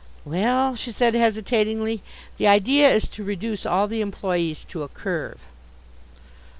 "Well," she said hesitatingly, "the idea is to reduce all the employes to a Curve."